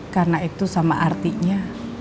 karena itu sama artinya